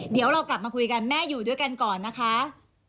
เดี๋ยวเรากลับมาคุยกันแม่อยู่ด้วยกันก่อนนะคะ